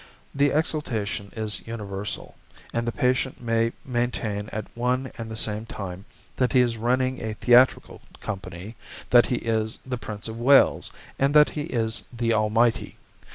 The exaltation is universal, and the patient may maintain at one and the same time that he is running a theatrical company, that he is the Prince of Wales, and that he is the Almighty.